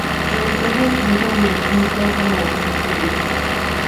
La empresa utiliza el lignito como combustible.